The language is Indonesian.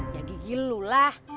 ya gigi lu lah